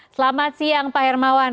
selamat siang pak hermawan